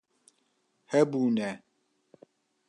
Hebûne